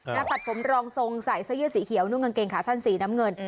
ตัดผมรองทรงใส่เสื้อยืดสีเขียวนุ่งกางเกงขาสั้นสีน้ำเงิน